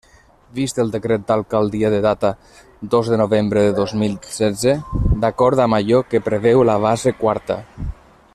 Vist el decret d'alcaldia de data dos de novembre de dos mil setze, d'acord amb allò que preveu la base quarta.